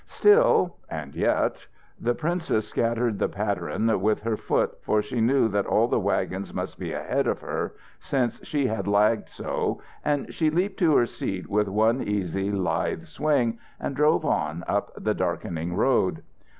Still and yet The princess scattered the patteran with her foot, for she knew that all the wagons must be ahead of her, since she had lagged so, and she leaped to her seat with one easy, lithe swing and drove on up the darkening road.